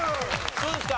そうですか。